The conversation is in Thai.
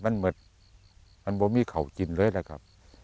มันเหมือนมันบ่มีเขากินเลยนะครับ